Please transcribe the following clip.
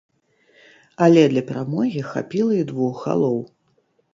Але для перамогі хапіла і двух галоў.